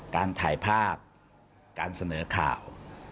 การถ่ายภาพการเสนอข่าว